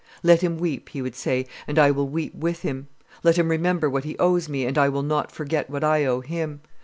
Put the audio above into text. "Let him weep," he would say, "and I will weep with him; let him remember what he owes me, and I will not forget what I owe him.